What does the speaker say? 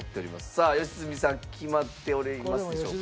さあ良純さん決まっておりますでしょうか？